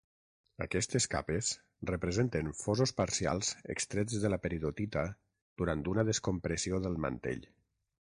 Aquestes capes representen fosos parcials extrets de la peridotita durant una descompressió del mantell.